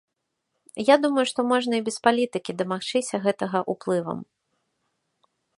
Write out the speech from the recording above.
Я думаю, што можна і без палітыкі дамагчыся гэтага уплывам.